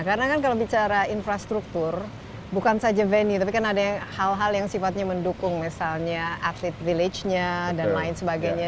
karena kan kalau bicara infrastruktur bukan saja venue tapi kan ada hal hal yang sifatnya mendukung misalnya atlet village nya dan lain sebagainya